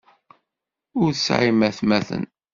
Ur tesɛim aytmaten.